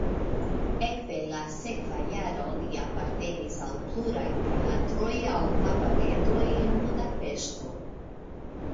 Ekde la sekva jaro li apartenis al pluraj teatroj aŭ kabaredoj en Budapeŝto.